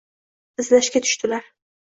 Izlashga tushdilar